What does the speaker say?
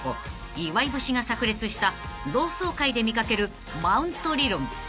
岩井節が炸裂した同窓会で見掛けるマウント理論］